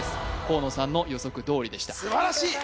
河野さんの予測どおりでした素晴らしい！